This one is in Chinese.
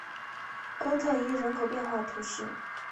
欧特伊人口变化图示